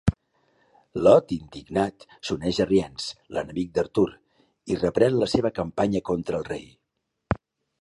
Lot, indignat, s'uneix a Rience, l'enemic d'Arthur, i reprèn la seva campanya contra el rei.